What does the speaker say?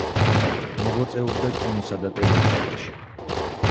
მოღვაწეობდა კინოსა და ტელევიზიაში.